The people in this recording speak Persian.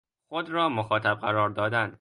خود را مخاطب قرار دادن